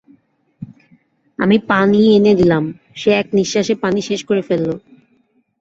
আমি পানি এনে দিলাম, সে এক নিঃশ্বাসে পানি শেষ করে ফেলল।